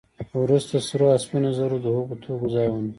وروسته سرې او سپینې زر د هغو توکو ځای ونیو